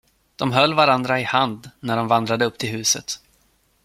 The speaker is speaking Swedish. De höll varandra i hand när de vandrade upp till huset.